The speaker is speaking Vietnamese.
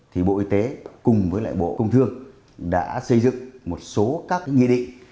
thì bộ y tế cùng với bộ công thương đã xây dựng một số các nhiệm định